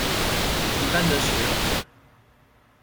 一半的使用者